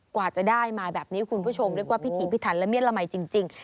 กว่าจะได้มาแบบนี้คุณผู้ชมเรียกว่าพิถีพิถันและเมียนละมัยจริง